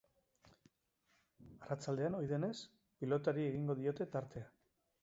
Arratsaldean, ohi denez, pilotari egingo diote tartea.